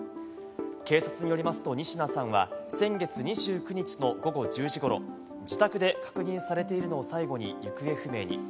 警察によりますと、仁科さんは先月２９日の午後１０時ごろ、自宅で確認されているのを最後に行方不明に。